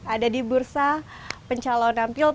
ada di bursa pencalonan